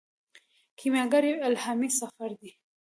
کیمیاګر یو الهامي سفر دی.